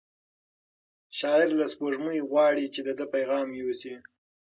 شاعر له سپوږمۍ غواړي چې د ده پیغام یوسي.